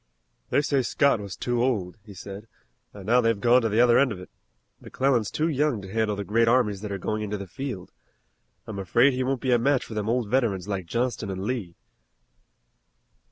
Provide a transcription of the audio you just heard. "They say Scott was too old," he said, "and now they've gone to the other end of it. McClellan's too young to handle the great armies that are going into the field. I'm afraid he won't be a match for them old veterans like Johnston and Lee."